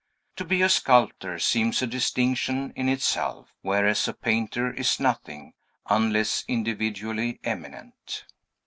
To be a sculptor seems a distinction in itself; whereas a painter is nothing, unless individually eminent.